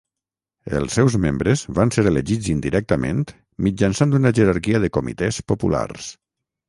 Els seus membres van ser elegits indirectament mitjançant una jerarquia de comitès populars.